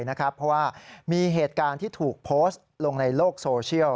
เพราะว่ามีเหตุการณ์ที่ถูกโพสต์ลงในโลกโซเชียล